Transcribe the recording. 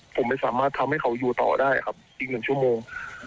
ผมไม่สามารถทำให้เขาอยู่ต่อได้ครับอีก๑ชั่วโมง